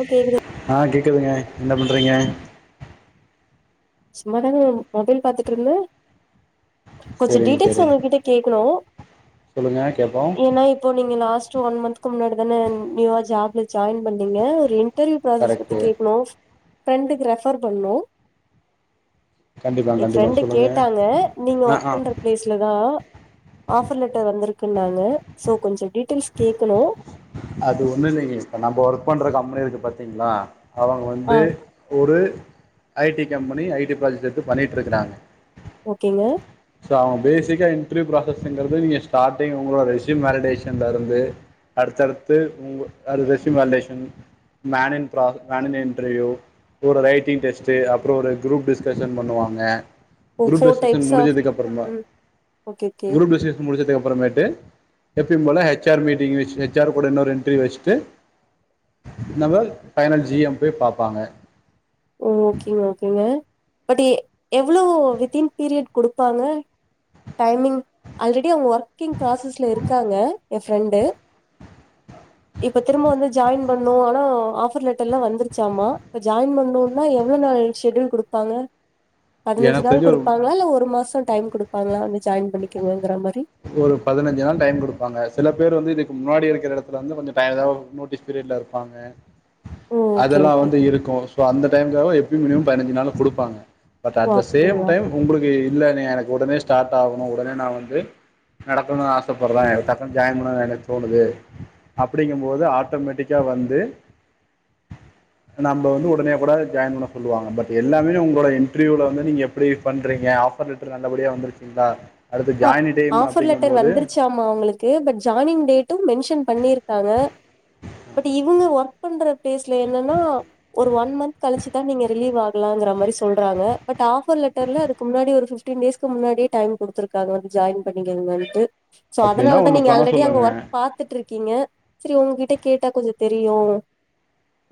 Okay ஆ கேக்குதுங்க என்ன பண்றீங்க சும்மாதாங்க மொபைல் பார்த்துட்டுருந்தே கொஞ்சம் சரிங்க டீட்டெயல்ஸ் சரிங்க உங்ககிட்ட கேட்கணும் சொல்லுங்க கேப்போம் இப்போ நீங்க லாஸ்ட் ஒன் மந்த்க்கு முன்னாடி தானே நியூவா ஜாப்ல ஜாயின் பண்ணீங்க ஒரு இன்டர்வியூ ப்ராசஸ் பத்தி கரெக்ட்டு கேட்கணும் ஃப்ரெண்டுக்கு ரெஃபர் பண்ணணும் கண்டிப்பா என் கண்டிப்பா ஃப்ரெண்டு சொல்லுங்க கேட்டாங்க நீங்க ஆ ஒர்க் ஆ பண்ற பிளேஸ்ல தான் ஆஃபர் லெட்டர் வந்திருக்குன்னாங்க ஸோ கொஞ்சம் டீட்டெயில்ஸ் கேட்கணும் அது ஒண்ணும் இல்லைங்க இப்ப நம்ம ஒர்க் பண்ற கம்பெனி இருக்கு பாத்தீங்களா அவங்க வந்து ஆ ஒரு I T company I T project எத்து பண்ணிட்டுருக்காங்க ஓகேங்க ஸோ அவங்க பேசிக்கா இன்ட்ரிவியூ ப்ராசஸ்ஸுங்கிறது நீங்கள் ஸ்டார்டிங் உங்களோட ரெசியூம் வேலிடேஷன்ல இருந்து அடுத்தடுத்து உங்க resume validation main process main interview ஒரு ரைட்டிங் டெஸ்ட்டு அப்புறம் ஒரு குரூப் டிஸ்கஷன் பண்ணுவாங்க ஓ group four discussion types of முடிஞ்சதுக்கப்புறமா ம் ஓகே ஓகே குருப் டிஸ்கஷன் முடிச்சதுக்கு அப்புறமேட்டு எப்பியும் போல எச் ஆர் மீட்டிங் வெச்சி எச் ஆர் ஒரு இன்னொரு இன்டர்வியூ வச்சுட்டு நம்ம ஃபைனல் ஜி எம் போய் பாப்பாங்க ஓ ஓகேங்க ஓகேங்க பட் எவ்ளோ வித்தின் பீரியட் கொடுப்பாங்க டைமிங் ஆல்ரெடி அவங்க ஒர்க்கிங் ப்ராசஸ்ல இருக்காங்க என் ஃப்ரெண்டு இப்ப திரும்ப வந்து ஜாயின் பண்ணனும் ஆனா ஆஃபர் லெட்டர் எல்லாம் வந்துருச்சாமா இப்ப ஜாயின் பண்ணும்னா எவ்வளோ நாள் ஷெட்டியூல் குடுப்பாங்க பதினஞ்சு எனக்கு நாள் தெரிஞ்சு ஒரு குடுப்பாங்களா இல்ல ஒரு மாச டைம் குடுப்பாங்களா வந்து ஜாயின் பண்ணிக்கங்கங்கற மாரி ஒரு பதினஞ்சு நாள் டைம் கொடுப்பாங்க சில பேர் வந்து இதுக்கு முன்னாடி இருக்கிற எடத்துலந்து கொஞ்ச டைம் ஏதாவது நோட்டீஸ் பீரியட்ல இருப்பாங் க ஓ ஓகே அதெல்லா ஓகே வந்து இருக்கு சோ அந்த டைம்காக எப்பயு மினிமம் பதினஞ்சு நாள்ள குடுப்பாங்க பட் ஓ அட் த சேம் அப்டிங்களா டைம் உங்களுக்கு இல்லன எனக்கு உடனே ஸ்டார்ட் ஆகணு உடனே நா வந்து நடக்கணும்னு ஆசைப்படுறே எனக்கு டக்குன்னு ஜாயின் பண்ணணுன்னு எனக்கு தோணுது அப்டிங்கும்போது ஆட்டோமேட்டிக்கா வந்து நம்ம வந்து உடனே கூட ஜாயின் பண்ண சொல்லுவாங்க பட் எல்லாமே உங்களோட இன்டர்வியூல வந்து நீங்க எப்டி பண்றீங்க ஆப் பர் லெட்டர் நல்லபடியா வந்துருச்சீங்களா அடுத்து ஜாயினிங் டைம் அப்படிங்கும்போது ச்சாமா அவுங்களுக்கு பட் ஜாயினிங் டேட்டும் மென்ஷன் பண்ணிருக்காங்க பட் இவங்க ஒர்க் பண்ற பிளேஸ்ல என்னன்னா ஒரு ஒன் மந்த் கழிச்சுதா நீங்க ரிலீவ் ஆகலாம்ங்க மாரி சொல்றாங்க பட் ஆஃபர் லெட்டர்ல அதுக்கு முன்னாடி ஒரு பிப் டீன் டேஸ்கு முன்னாடியே டைம் குடுத்துருக்காங்க வந்து ஜாயின் பண்ணிக்கங்கன்ட்டு சோ அப்படின்னா அதனாலதா ஒன்று நீங்க பண்ண ஆல்ரெடி அங்க சொல்லுங்க ஒர்க் பாத் துட்டு இருக்கீங்க சரி உங்க கிட்ட கேட்டா கொஞ்சோ தெரியு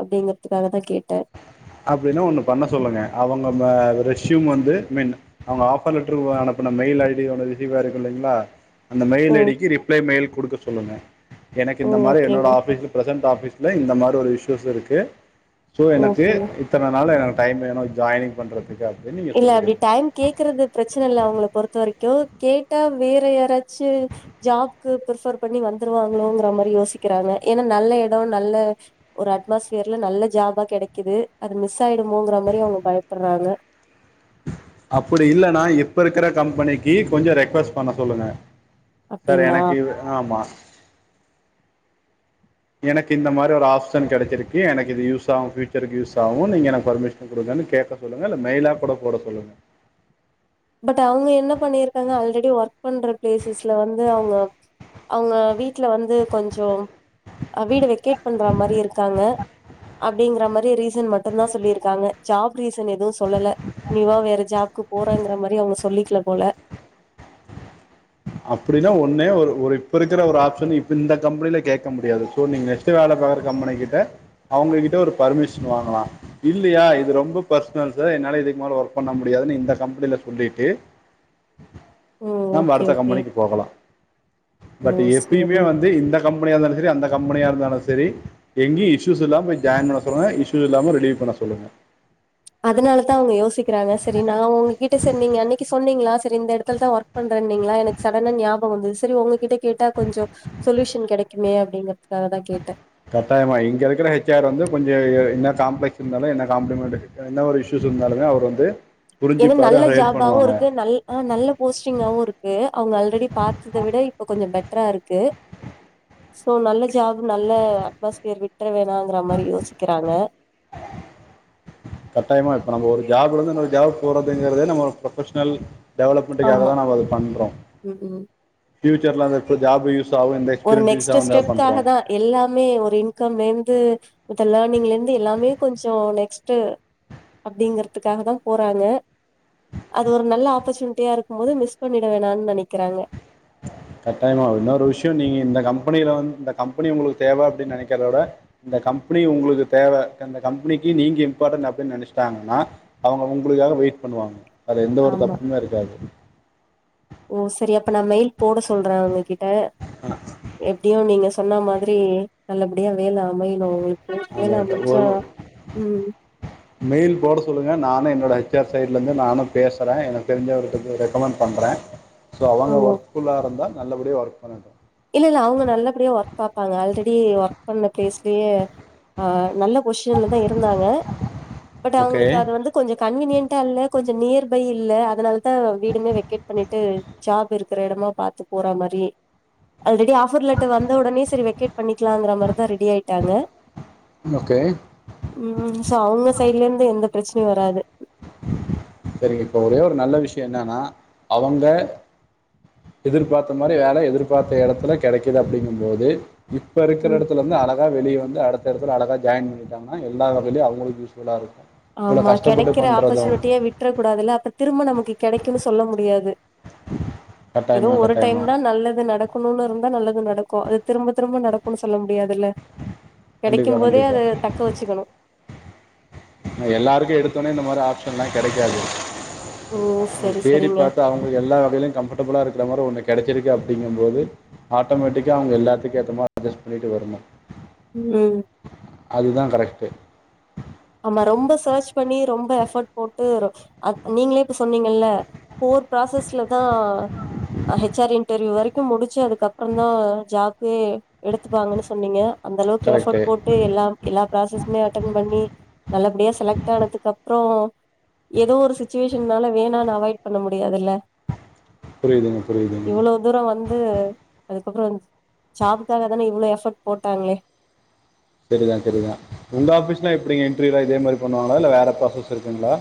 அப்டிங்கற்துக்காக தா கேட்டே அப்டின்னா ஒண்ணு பண்ண சொல்லுங்க அவங்க ரெசியூம் வந்து மென் அவங்க ஆஃபர் லெட்டரு அனுப்பன மெயில் ஐ டி ஒட ரிசீவ் ஆயிருக்கு இல்லைங்களா அந்த ஓ மெயில் ஐ டிக்கு ரிப்ளை மெயில் குடுக்க சொல்லுங்க எனக்கு ஓ இந்த மாதிரி என்னோட ஓகேங்க ஆபீஸ் பிரசன்ட் ஆபீஸ் இல்ல இந்த மாரி ஒரு இஷ்யூஸ் இருக்கு ஸோ எனக்கு ஓகேங்க இத்தனை நாள் எனக்கு டைம் வேணு ஜாயினிங் பண்றதுக்கு அப் இல்ல அப்டி டைம் கேக்குறது பிரச்சனை இல்ல அவங்களை பொறுத்த வரைக்கு கேட்டா வேற யாராச்சு ஜாப்கு பிரஃபர் பண்ணி வந்துருவாங்களோங்கற மாரி யோசிக்கிறாங்க ஏன்னா நல்ல எடோ நல்ல ஒரு அட்மாஸ்பியர்ல நல்ல ஜாபா கிடைக்குது அது மிஸ் ஆயிடுமோங்கிற மாரி அவங்க பயப்படறாங்க அப்டி இல்லன்னா இப்ப இருக்கிற கம்பெனிக்கு கொஞ்சோ ரெக்வஸ்ட் பண்ண சொல்லுங்க சார் அப்டிங்களா எனக்கு ஆமா எனக்கு இந்த மாரி ஒரு ஆப்ஷன் கிடைச்சிருக்கு எனக்கு இது யூஸ் ஆவு ஃபியூச்சருக்கு யூஸ் ஆவு நீங்க எனக்கு பர்மிஷன் குடுங்கன்னு கேட்க சொல்லுங்க இல்ல மெயிலா கூட போட சொல்லுங்க பட் அவுங்க என்ன பண்ணிருக்காங்க ஆல்ரெடி ஒர்க் பண்ற பிளேசஸ்ல வந்து அவுங்க அவுங்க வீட்டுல வந்து கொஞ்சம் அ வீடு வெக்கேட் பண்ற மாரி இருக்காங்க அப்டிங்கிற மாரி ரீசன் மட்டுதா சொல்லியிருக்காங்க ஜாப் ரீசன் எதுவு சொல்லல நீ வா வேற ஜாப்க்கு போறேங்கிற மாரி அவுங்க சொல்லிக்கல போல அப்டின்னா ஒன்னே ஒரு இப்ப இருக்கிற ஒரு ஆப்ஷன் இப்ப இந்த கம்பெனில கேட்க முடியாது சோ நீங்க வேலை பாக்குற கம்பெனி கிட்ட அவுங்க கிட்ட ஒரு பர்மிஷன் வாங்கலா இல்லையா இது ரொம்ப பர்சனல் சார் என்னால இதுக்கு மேல ஒர்க் பண்ண முடியாதுன்னு இந்த கம்பெனில சொல்லிட்டு ஓ நம்ம ஓகே அடுத்த ஓகே கம்பெனிக்கு போகலா ஓ பட் எப்பயுமே சேரிங்க வந் து இந்த கம்பெனியா இருந்தாலு செரி அந்த கம்பெனியா இருந்தாலு செரி எங்கயு இஸ்யூஸ்ல்லாம் போய் ஜாயின் பண்ண சொல்லுங்க இஷ்யூ இல்லாம ரிலீவ் பண்ண சொல்லுங்க அதனால தா அவுங்க யோசிக்கிறாங்க செரி நா உங்ககிட்ட செரி நீங்க அன்னைக்கி சொன்னீங்களா செரி இந்த எடத்துல தா ஒர்க் பண்றேன்னீங்களா எனக்கு சடனா ஞாபம் வந்தது செரி உங்ககிட்ட கேட்டா கொஞ்சோ சொல்யூஷன் கெடைக்குமே அப்டிங்கறதுக்காக தா கேட்டே கட்டாயமா இங்க இருக்கற ஹெச் ஆர் வந்து கொஞ்சோ என்ன காப்ளெக்ஸ் இருந்தாலு என்ன காம்ப்ளிமெண்ட் என்ன ஒரு இஷ்யூஸ் இருந்தாலுமே அவரு வந்து ஏன்னா புரிஞ்சுப்பாரு நல்ல அவர் ஹெல்ப் ஜாபாவு பண்ணுவாங்க இருக்கு நல் ஆ நல்ல போஸ்டிங்காவு இருக்கு அவுங்க ஆல்ரெடி பாத்தத்த விட இப்ப கொஞ்சோ பெட்ரா இருக்கு சோ நல்ல ஜாப் நல்ல அட்மாஸ்பியர் விட்ற வேணாங்கிற மாரி யோசிக்கிறாங்க கட்டாயமா இப்ப நம்ம ஒரு ஜாப்ல இருந்து இன்னொரு ஜாப் போறதுங்கறதே நம்ம ஒரு ப்ரொஃபெஷ்னல் டெவலப்மெண்ட்க்காக ஆமா தா நம்ம இது பண்றோ ம் ம் ஃபியூச்சர் ல வந்து ஜாப் யூஸ் ஜாப் இன்டஸ் ஒரு எஸ்பீரியன்ஸ் யூஸ் நெக்ஸ்ட் ஆகு தா பண்றோ ஸ்டெப்காக தா எல்லாமே ஒரு இன்கம்லேந்து இதெல்லா நீங்கலேந்து எல்லாமே கொஞ்சோ நெக்ஸ்ட்டு அப்டிங்கறதுக்காக தா போறாங்க அது ஒரு நல்ல ஆப்பர்ச்சுனிட்டியா இருக்கும் போது மிஸ் பண்ணிட வேணானு நெனைக்கிறாங்க கட்டாயமா இன்னொரு விஷ்யோ நீங்க இந்த கம்பெனியில வந்து இந்த கம்பெனி உங்களுக்கு தேவ அப்டின்னு நினைக்கிறத விட இந்த கம்பெனி உங்களுக்கு தேவ இந்த கம்பெனிக்கு நீங்க இம்பார்ட்டன்ட் அப்டின்னு நெனச்சிட்டாங்கன்னா அவுங்க உங்களுக்காக வெயிட் பண்ணுவாங்க அது எந்த ஒரு ஆமா தப்புமே இருக்காது ஓ செரி அப்ப நா மெயில் போட சொல்றே அவுங்ககிட்ட ஆ எப்படியு நீங்க சொன்ன மாதிரி நல்லபடியா வேல அமையணு அவுங்கள் ஏனா ஆமாம் முன்ஞ்ச்சா ஒரு ம் மெயில் போட சொல்லுங்க நானு என்னோட ஹெச் ஆர் சைட்லேருந்து நானு பேசுறே எனக்கு தெரிஞ்சவர்க்கு ரெக்கமண்ட் பண்றே சோ ஓ அவுங்க ஒர்க் ஃபுல்லா இருந்தா நல்லபடியா ஒர்க் பண்ணட்டு இல்ல இல்ல அவுங்க நல்லபடியா ஒர்க் பாப்பாங்க ஆல்ரெடி ஒர்க் பண்ண பிளேஸ்லயே ஆ நல்லப் பொசிஷன்ல தா இருந்தாங்க பட் ஓகே அவுங்களுக்கு அது வந்து கொஞ்சோ கன்வீனியன்ட்டா இல்ல கொஞ்சோ நியர் பை இல்ல அதனால தா வீடுமே வெக்கேட் பண்ணிட்டு ஜாப் இருக்கற எடமா பாத்து போறா மாரி அல்ரெடி ஆபர் லட்ட வந்த ஒடனே செரி வெகேட் பண்ணிக்கலாங்குற மாரி தா ரெடி ஆயிட்டாங்க ஓகே ம் சோ அவுங்க சைட்ல இருந்து எந்த பிரச்சனையு வராது செரிங்க இப்ப ஒரே ஒரு நல்ல விஷயோ என்னனா அவுங்க எதிர்பாத்த மாரி வேல எதிர்பாத்த எடத்துல கெடைக்குது அப்டிங்கும் போது இப்ப இருக்கற ம் எடத்துல இருந்து அர தா வெளிய வந்து அடுத்தடத்துல அழகா ஜாயின் பண்ணிட்டாங்கன்னா எல்லா வகைலயு அவுங்களுக்கு யூஸ்ஃபுல்லா இருக்கு ஆமா கெடைக்கிற ஆப்பர்ச்சுனிட்டிய விட்ற கூடாதுல்ல அப்ப திரும்ப நமக்கு கெடைக்குன்னு சொல்ல முடியாது ஏதோ கட்டாயமா ஒரு டைம் கட்டாயமா தா நல்லது நடக் குனுனு இருந்தா நல்லது நடக்கு அது திரும்ப திரும்ப நடக் குனு சொல்ல முடியாதுல்ல கண்டிப்பாக கெடைக்கும் போதே அத கண்டிப்பாக தக்க வச்சுக்கணு எல்லாருக்கு எடுத்தோனே இந்த மாரி ஆப்ஷன்ல்லா கெடைக்காது ம் சரி தேடி சரிங்க பாத்து அவ்ங் ஒரு எல்லா வகையிலு கம்ஃபர்டபுளா இருக்கற மாரிஒன்னு கிடச்சிருக்கு அப்டிங்கம்போது ஆட்டோமேட்டிக்கா அவுங்க எல்லாத்துக்கு ஏத்த மாரி அட்ஜஸ் பண்ணிட்டு வருணு ம் அதுதா கரெக்ட்டு ஆமா ரொம்ப செர்ச் பண்ணி ரொம்ப எஃபக்ட் போட்டு நீங்களே இப்ப சொன்னீங்கல்ல போர் ப்ராசஸ்ல தா ஹெச் ஆர் இன்டர்வியூ வரை முடுச்சு அதுக்கப்புறந் தா ஜாப்க்கே எடுத்துப்பாங்கன்னு சொன்னீங்க அந்தளவுக்கு கரெக்டு எஃபக்ட் போட்டு எல்லாம் எல்லா ப்ராசஸுமே அட்டென் பண்ணி நல்லபடியா செலக்ட் ஆனதுக்கு அப்புறோ எதோ ஒரு சுச்சுவேஷன்னால வேணான்னு அவாய்ட் பண்ண முடியாதுல்ல புரியிதுங்க புரியிதுங்க இவ்ளோ தூரோ வந்து அதுக்கப்றோ ஜாபுக்காக தானே இவ்ளோ எஃபர்ட் போட்டாங்ளே சரி தா சரி தா உங்க ஆஃபீஸலா எப்டி இன்ட்ரியூல்லா இதே மாரி பண்ணுவாங்ளா இல்ல வேற ப்ராசஸ் இருக்குங்ளா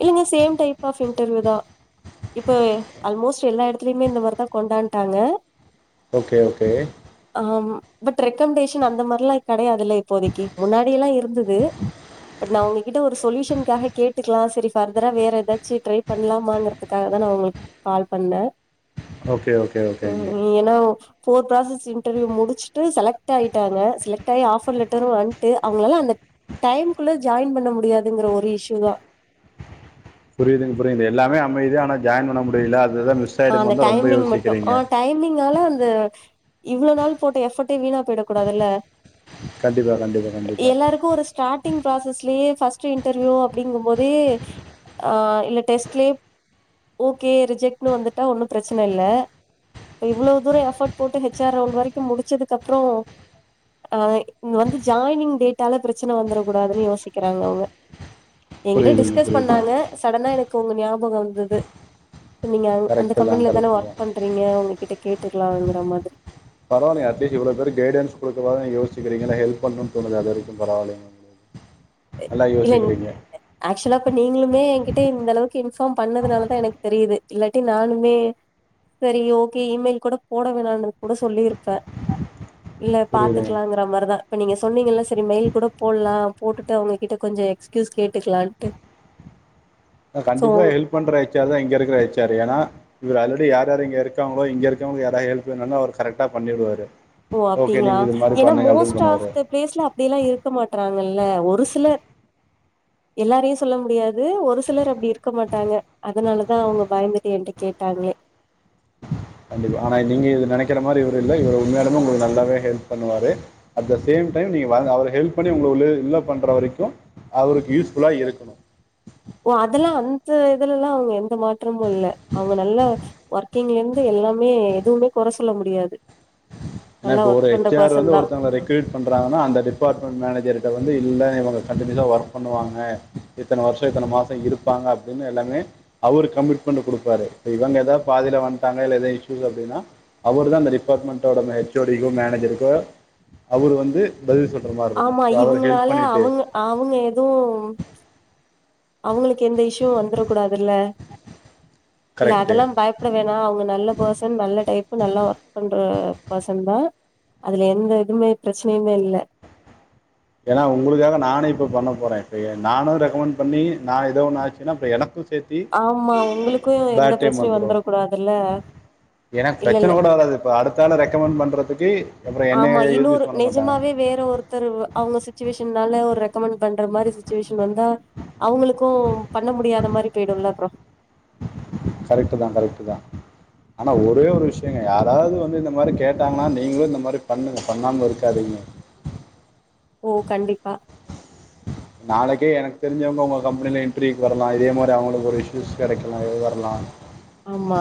இல்லங்க சேம் டைப் ஆஃப் இன்டர்வியூ தா இப்ப ஆல்மோஸ்ட் எல்லா எடத்துலயுமே இந்த மாரி தா கொண்டு வந்ட்டாங்க ஓகே ஓகே ஆம் பட் ரெக்கம்ண்டேஷன் அந்த மாரில்லா கெடையாதுல்ல இப்போதைக்கு முன்னாடி எல்லா இருந்துது பட் நா உங்ககிட்ட ஒரு சொல்யூஷன்காக கேட்டுக்கலா சரி ஃபர்தரா வேற எதாச்சு ட்ரை பண்லாமாங்கறத்துக்காக தா நா உங்களுக் கால் பண்ணே ஓகே ஓகே ம் ஓகேங்க நீ ஏனா ஃபோர் ப்ராசஸ் இன்டர்வியூ முடிச்சுட்டு செலக்ட் ஆய்ட்டாங்க செலக்ட் ஆயி ஆஃபர் லெட்டரு வந்ட்டு அவங்களால அந்த டைம்குள்ள ஜாயின் பண்ண முடியாதுங்கற ஒரு இஷ்ஷு தா புரியிதுங் புரியிது எல்லாமே அமையிது ஆனா ஜாயின் பண்ண முடியில அதுதா மிஸ் ஆ ஆகிடும் அந்த தான் ரொம்ப டைமிங் மட்டு ஆ யோசிக்கிறீங்க டைமிங்கால அந்த இவ்ளோ நாள் போட்ட எஃபட்டே வீணா போய்ட கூடாதுல்ல கண்டிப்பாக கண்டிப்பாக கண்டிப்பாக எல்லாருக்கு ஒரு ஸ்டாட்டிங் ப்ராசஸ்லியே ஃபஸ்ட்டு இன்டர்வியூ அப்டிங்கம்போது ஆ இல்ல டெஸ்ட்லயே ஓகே ரிஜெக்ட்னு வந்துட்டா ஒன்னு பிரச்சனல்ல இப்ப இவ்ளோ தூரோ எஃபர்ட் போட்டு ஹெச் ஆர் ரவுண்ட் வரைக்கு முடிச்சதுக்கப்றோ ஆ இங்க வந்து ஜாயினிங் டேட்டால பிரச்சன வந்தர கூடாதுனு யோசிக்கிறாங்க அவ்ங்க எங்கிட்ட புரியுதுங்க டிஸ்கஸ் புரியுது பண்ணாங்க சடனா எனக்கு உங்க ஞாபகோ வந்துது உங்க ஞா அந்த கரெக்டு தான் கம்பெனில தான கரெக்டு தான் ஒர்க் பண்றீங்க உங்க கிட்ட கேட்டுக்கலாங்கற மாதிரி பரவால்லங்க அட்லீஸ்ட் இவ்ளோ தூரோ கைடன்ஸ் குடுக்கலான் நீங்க யோசிக்கிறீங்கல்ல ஹெல்ப் பண்ணு தோணுதுல்ல அதுவரைக்கு பரவால்லங்க நீங்க எல்லா யோசிக்கிறீங்க ஆக்சுலா இப்ப நீங்களுமே எங்கிட்ட இந்தளவுக்கு இன்ஃபாம் பண்ணதுனால தா எனக்கு தெரியிது இல்லாட்டி நானுமே செரி ஓகே இ மெயில் கூட போட வேணான்னு கூட சொல்லியிருப்பே இல்ல புரியுதுங்க பாத்துக்கலாங்கிற மாரிதா இப்ப நீங்க சொன்னீங்கல்ல செரி மெய்ல் கூட போட்லா போட்டுட்டு அவ்ங்க கிட்ட கொஞ்ச எக்ஸ்க்யூஸ் கேட்டுக்கலான்ட்டு அ சோ கண்டிப்பா உங்க ஹெல்ப் பண்ற ஹெச் ஆரு தா இங்கருக்கற ஹெச் ஆரு ஏனா இவுர் ஆல்ரெடி யார் யாரு இங்க இருக்காங்களோ இங்கருக்கவ்ங்க யாரா ஹெல்ப் வேணுனா அவுரு கரெக்ட்டா பண்ணீருவாரு ஓ அப்டிங்ளா ஏனா மோஸ்ட் ஆஃப் த ப்ளேஸ்லா அப்டியெல்லா இருக்க மாட்றாங்கல்ல ஒரு சிலர் எல்லாரையு சொல்ல முடியாது ஒரு சிலர் அப்டி இருக்க மாட்டாங்க அதுனாலதா அவ்ங்க பயந்துட்டு என்ட்டா கேட்டாங்ளே கண்டிப்பா ஆனா நீங்க இது நெனைக்கற மாரி இவுரு இல்ல இவுர் உண்மையாலுமே உங்களுக்கு நல்லாவே ஹெல்ப் பண்ணுவாரு அட் த சேம் டைம் நீங்க வாங்க அவுரு ஹெல்ப் பண்ணி அவுங்கள [unintelligible] பண்ற வரைக்கு அவருக்கு யூஸ்ஃபுல்லா இருக்கணு ஓ அதெல்லா அந்த இதுலல்லா அவுங்க எந்த மாற்றமு இல்ல அவுங்க நல்ல ஒர்க்கிங்லர்ந்து எல்லாமே எதுவ்மே கொற சொல்ல முடியாது ஏனா நல்லா இப்ப ஒரு ஒர்க் பண்ற எச் ஆர் பர்சன் வந்து தா ஒருத்தங்க ரெக் ட்ரீட் பண்றாங்கன்னா அந்த டிபார்ட்மெண்ட் மேனேஜர்கிட்ட வந்து இல்ல இவங்க கன்ட்டினியூஸா ஒர்க் பண்ணுவாங்க இத்தன வர்ஷோ இத்தன மாசோ இருப்பாங்க அப்டினு எல்லாமே அவுரு கமிட்மெண்டு குடுப்பாரு சோ இவங்க எதா பாதில வந்ட்டாங்க இல்ல எதா இஷ்ஷுஸ் அப்டினா அவுரு தா அந்த டிபார்ட்மெண்டோட மே எச் ஓ டி க்கோ மேனேஜருக்கோ அவுரு வந்து பதில் சொல்ற மாரி இருக்கும் ஸோ அவருக்கு ஹெல்ப் பண்ணிட்டு அவுங்க எதுவும் அவுங்களுக்கு எந்த இஷ்ஷியும் வந்துற கூடாதுல்ல இல்ல கரெக்டு அதெல்லாம் பயப் பட வேணா அவுங்க நல்ல பர்சன் நல்ல டைப்பு நல்லா ஒர்க் பண்ற பர்சன் தா அதுல எந்த எதுவுமே பிரச்சனையுமே இல்ல ஏன்னா உங்களுக்காக நானே இப்ப பண்ண போறே இப்ப நானும் ரெக்கமெண்ட் பண்ணி நா ஏதோ ஒண்ணு ஆச்சுன்னா இப்ப எனக்கும் சேர்த் தி ஆமா உங்களுக்கு எந்த பேட் டைம் பிரச்சனையு வந்துடும் வந்துரக் கூடாதுல்ல என இல்ல பிரச்சன இல்ல கூட வராது இப்ப அடுத்தால்ல ரெக்கமெண்ட் பண்றதுக்கு ஆமா இன்னொரு நெஜமாவே வேற ஒருத்தர் அவுங்க சிச்சுவேஷன் இன்னால்ல ஒரு ரெக்கமண்ட் பண்ற மாரி சுச்சுவேஷன் வந்தா அவுங்களுக்கும் பண்ண முடியாத மாரி போயிடும்ல அப்புறோ கரெக்ட்டுதா கரெக்ட்டுதா ஆனா ஒரே ஒரு விஷயங்க யாராவது வந்து இந்த மாரி கேட்டாங்கன்னா நீங்களும் இந்த மாரி பண்ணுங்க பண்ணாம இருக்காதீங்க ஓ கண்டிப்பா நாளைக்கே எனக்கு தெரிஞ்சவுங்க உங்க கம்பெனில இன்டர்வியூக்கு வரலாம் இதே மாரி அவுங்களுக்கு ஒரு இஷயூஸ் கெடைக்கலாம் எது வரலாம் ஆமா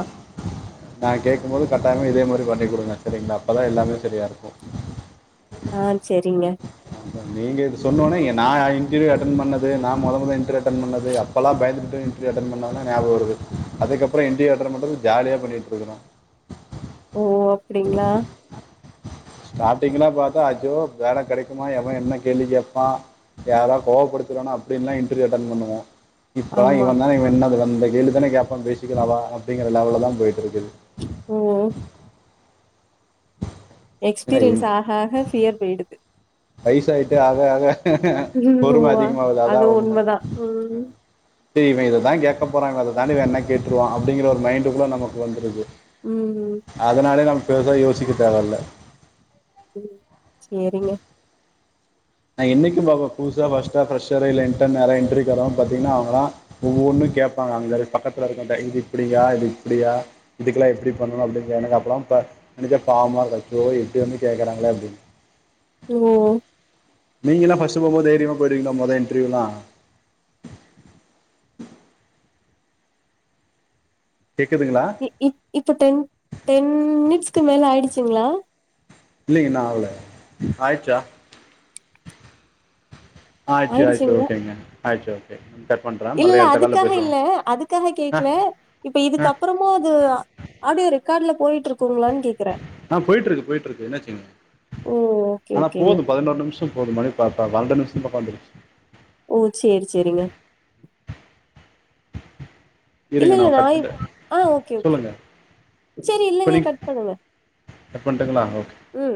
நா கேக்கும் போது கட்டாயமா இதே மாரி பண்ணி குடுங்க சரிங்களா அப்பதா எல்லாமே சரியா இருக்கும் ஆ சேரிங்க நீங்க இது சொன்னோன்னே நா இன்டர்வியூ அட்டென் பண்ணது நா மொத மொத இன்டர்வியு அட்டன் பண்ணது அப்பெல்லாம் பயந்துகிட்டு இன்டர்வியூ அட்டன் பன்னதுதா ஞாபம் வருது அதுக்கப்புறம் இன்டர்வியூ அட்டன் பண்றது ஜாலியா பண்ணிட்டு இருக்குறோ ஓ அப்டிங்களா ஸ்டார்டிங்ல்ல பாத்தா அஜ்யோ வேல கெடைக்குமா எவ என்ன கேள்வி கேப்பா யாராவது கோவப்படுத்திருவானா அப்டின்லாம் இன்டர்வியூ அட்டன் பண்ணுவோம் இப்பெல்லாம் ஆமா இவன் தா இவன் என்ன பேசுறான் இந்த கேள்வி தானே கேப்பான் பேசிக்கல வா அப்டிங்கிற லெவல தான் போயிட்டு இருக்குது ம் ஏன்னா எக்ஸ்பீரியன்ஸ் ஆக ஆக ஃபியர் பேயிடுது வயசாயிட்டு ஆக ஆக ம் ஓ பொறும அதிகமாகுதுல அது அதான் ஒண்ணு உண்மதா ம் டி இவன் இத தான் கேக்க போறா இவன் அத தாண்டி இவ என்ன கேட்டுருவான் அப்டிங்கிற ஒரு மைண்டு கூட நமக்கு வந்துருது ம் ம் அதனாலே நம்ம பெருசா யோசிக்க தேவயில்ல ம் சேரிங்க நா என்னைக்கும் பா புதுசா ஃபர்ஸ்டா ஃப்ரெஷர இல்ல என்டர் நைய எ இன்ட்ரியுகு வர்றோம் பாத்தீங்கன்னா அவுங்களா ஒவ்வொன்னும் கேப்பாங்க அங்க பக்கத்துல இருக்குறவுங்கிட்டா இது இப்பிடியா இது இப்பிடியா இதுக்கெல்லாம் எப்டி பண்ணணும் அப்டின் கேக்குறக்கு எனக்கு அப்பலாம் இப்ப நினைச்சா பாவம்மா இருக்கும் எப்டி வந்து கேக்குறாங்களே அப்படின்னு ஓ நீங்கல்லாம் ஃபர்ஸ்ட் போம்போது தைரியமா போயிடுவீங்களா மொத இன்டர்வூலாம் கேக்குதுங்களா இ இப் இப்ப டென் டென் மினிட்ஸ்க்கு மேல ஆயிடுச்சுங்களா இல்ல இன்னும் ஆவல ஆயிச்சா ஆயிச்சு ஆயிச்சு ஆயிடுச்சுங்க ஓகேங்க ஆயிச்சு ஓகே கட் பண்ற இல்ல அதுக்காக இல்ல அதுக்காக ஆ கேக்கல இப்ப ஆ இதுக்கப்புறம் போது ஆடியோ ரெக்கார்ட்ல போயிட்டு இருக்குங்களானு கேக் ஆ போயிட்டு இருக்கு போயிட்டு இருக்கு என்னாச்சுங்க ஓ! ஓகே, ஆனா ஓகேங்க. போதும் பதினோரு நிமிஷம் போது மணி பாப்பா வ நிஷம் பக்க வந்துச்சு ஓ சரி சரிங்க இல்ல, இருங்க இல்ல நான் கட் இப் பண்ணற ஆ ஓகே, ஓகே. சொல்லுங்க சரி இப்ப இல்லங்க நீங் கட் பண்ணுங்க. கட் பண்ட்டுங்களங்களா ஓகே ம்